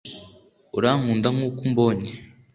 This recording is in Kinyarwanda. urankunda nkuko umbonye